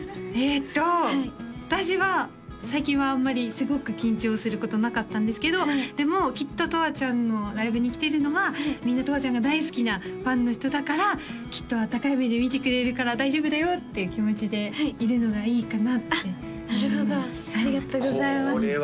えっと私は最近はあんまりすごく緊張することなかったんですけどでもきっととわちゃんのライブに来てるのはみんなとわちゃんが大好きなファンの人だからきっとあったかい目で見てくれるから大丈夫だよっていう気持ちでいるのがいいかなってあっなるほどありがとうございます